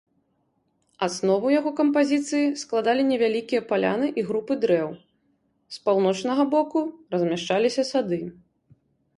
Аснову яго кампазіцыі складалі невялікія паляны і групы дрэў, з паўночнага боку размяшчаліся сады.